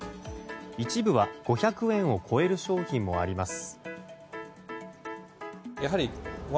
一部は５００円を超える商品もあります。